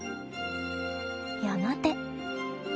やがて。